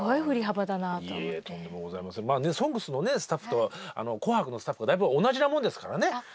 「ＳＯＮＧＳ」のスタッフと「紅白」のスタッフはだいぶ同じなもんですからね。